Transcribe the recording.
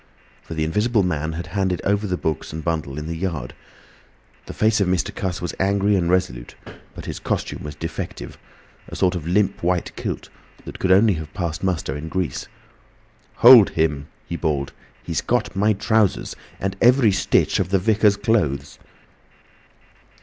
For the Invisible Man had handed over the books and bundle in the yard. The face of Mr. Cuss was angry and resolute, but his costume was defective, a sort of limp white kilt that could only have passed muster in Greece. "Hold him!" he bawled. "He's got my trousers! And every stitch of the Vicar's clothes!"